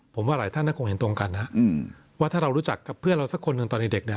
ผมว่าหลายท่านก็คงเห็นตรงกันนะว่าถ้าเรารู้จักกับเพื่อนเราสักคนหนึ่งตอนเด็กเนี่ย